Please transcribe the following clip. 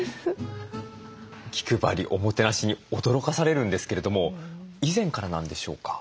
気配りおもてなしに驚かされるんですけれども以前からなんでしょうか？